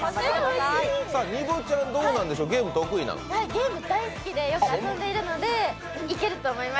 ゲーム大好きでよく遊んでるのでいけると思います。